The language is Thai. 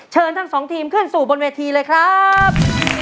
เชิญทั้งสองทีมขึ้นสู่บนเวทีเลยครับ